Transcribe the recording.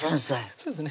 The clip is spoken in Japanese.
そうですね